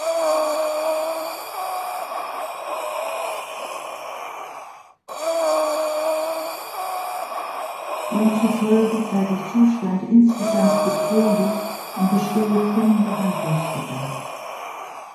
Demzufolge sei der Zustand insgesamt bedrohlich und bestehe dringender Handlungsbedarf.